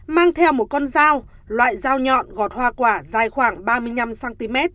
mang theo một con dao loại dao nhọn gọt hoa quả dài khoảng ba mươi năm cm